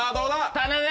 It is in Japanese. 頼む！